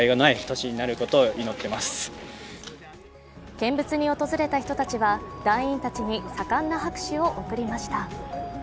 見物に訪れた人たちは団員たちに盛んな拍手を送りました。